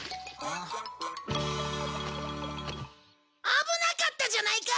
危なかったじゃないか！